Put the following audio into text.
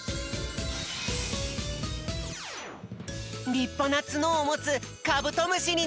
りっぱなつのをもつカブトムシになっちゃった。